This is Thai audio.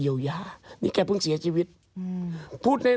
เดี๋ยวพักสักครู่ช่วงหน้าเดี๋ยวฉันคุยให้เอง